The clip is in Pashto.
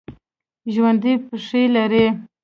ژوندي پښې لري